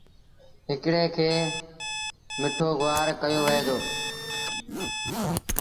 هڪڙي کي مٺو گُوآر ڪهيو وهي دو۔